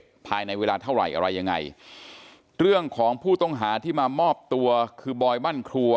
ภายในเวลาเท่าไหร่อะไรยังไงเรื่องของผู้ต้องหาที่มามอบตัวคือบอยบ้านครัว